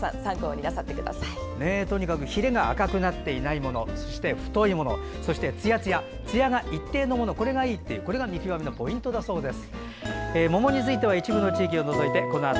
ぜひ皆さんヒレが赤くなっていないものそして太いものそして、つやつやつやが一定のもの、これが見極めのポイントだそうです。